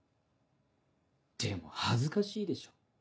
でも恥ずかしいでしょ